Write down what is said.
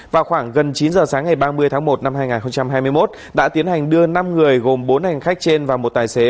vào khoảng gần chín giờ sáng ngày ba mươi tháng một năm hai nghìn hai mươi một đã tiến hành đưa năm người gồm bốn hành khách trên và một tài xế